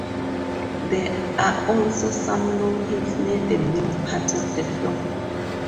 There are also some low hills near the mid-part of the floor.